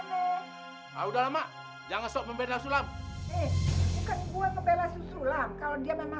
gimana udah lama jangan sok membeda sulam bukan gua kebela susulam kalau dia memang